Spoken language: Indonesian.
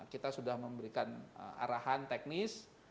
kita sudah memberikan arahan teknis